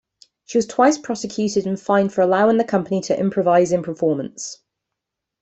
She was twice prosecuted and fined for allowing the company to improvise in performance.